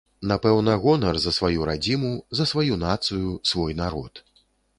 Напэўна, гонар за сваю радзіму, за сваю нацыю, свой народ.